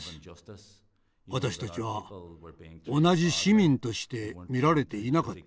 私たちは同じ市民として見られていなかった。